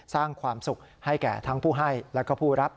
สร้างความสุขให้แก่ทั้งผู้ให้แล้วก็ผู้รับ